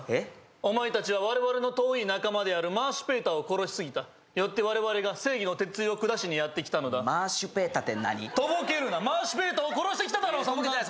お前達は我々の遠い仲間であるマーシュペーターを殺しすぎたよって我々が正義の鉄槌を下しにやってきたのだマーシュペーターって何？とぼけるなマーシュペーターを殺してきただろとぼけてないです